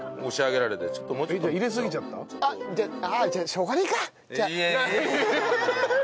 しょうがねえか。